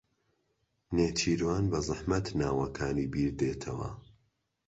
نێچیروان بەزەحمەت ناوەکانی بیردێتەوە.